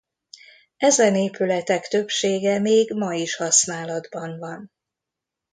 Ezen épületek többsége még ma is használatban van.